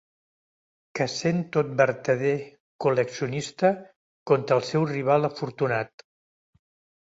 Que sent tot vertader col·leccionista contra el seu rival afortunat.